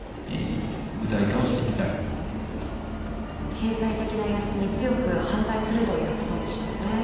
経済的な威圧に強く反対するということでしたね。